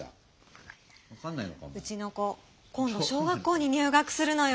うちの子今度小学校に入学するのよ。